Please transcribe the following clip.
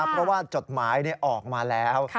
เพราะว่าจดหมายออกมาแล้ว